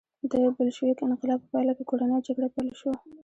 د بلشویک انقلاب په پایله کې کورنۍ جګړه پیل شوه.